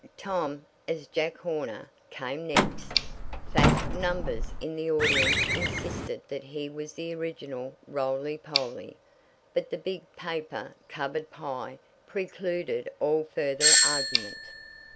Tom, as "Jack Horner," came next. Fat! Numbers in the audience insisted that he was the original "Roly poly," but the big paper covered pie precluded all further argument.